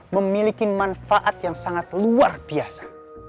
memiliki manfaat yang sangat luar biasa